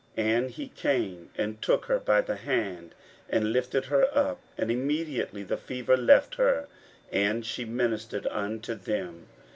41:001:031 And he came and took her by the hand, and lifted her up; and immediately the fever left her, and she ministered unto them.